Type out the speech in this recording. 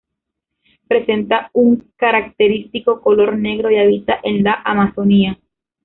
Presenta un característico color negro y habita en la Amazonía.